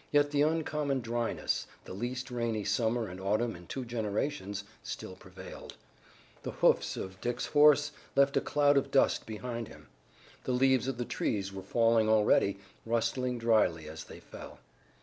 Yet the uncommon dryness, the least rainy summer and autumn in two generations, still prevailed. The hoofs of Dick's horse left a cloud of dust behind him. The leaves of the trees were falling already, rustling dryly as they fell.